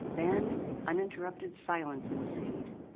Then uninterrupted silence ensued.